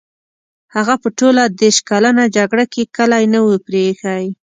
هغه په ټوله دېرش کلنه جګړه کې کلی نه وو پرې ایښی.